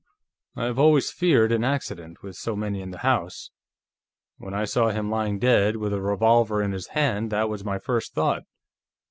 "I have always feared an accident, with so many in the house. When I saw him lying dead, with a revolver in his hand, that was my first thought.